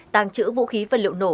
tàng trữ vũ khí vật liệu nổ